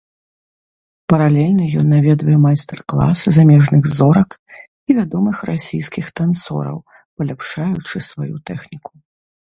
Паралельна ён наведвае майстар-класы замежных зорак і вядомых расійскіх танцораў, паляпшаючы сваю тэхніку.